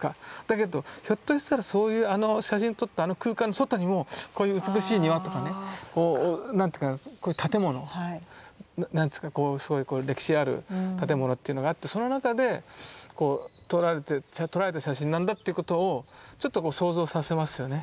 だけどひょっとしたらそういうあの写真を撮ったあの空間の外にもこういう美しい庭とかね何ていうかこういう建物すごい歴史ある建物というのがあってその中で撮られた写真なんだってことをちょっと想像させますよね。